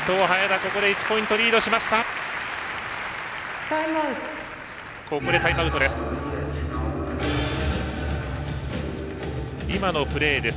ここでタイムアウトです。